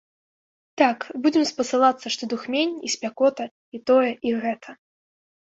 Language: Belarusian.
Так, будзем спасылацца, што духмень, і спякота, і тое, і гэта.